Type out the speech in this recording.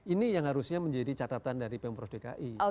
ini yang harusnya menjadi catatan dari pemprov dki